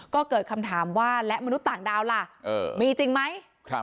ก็เกิดคำถามว่าและมนุษย์ต่างดาวล่ะมีจริงไหม